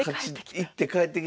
行って帰ってきた。